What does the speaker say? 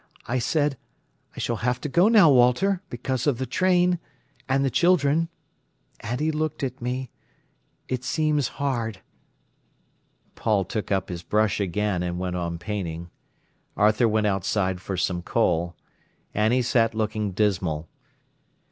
I said: 'I s'll have to go now, Walter, because of the train—and the children.' And he looked at me. It seems hard." Paul took up his brush again and went on painting. Arthur went outside for some coal. Annie sat looking dismal.